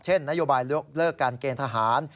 เช่นนโยบายเลือกการเกณฑ์ทหาร